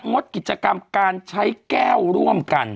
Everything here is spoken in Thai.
งดกิจกรรมการใช้แก้วร่วมกัน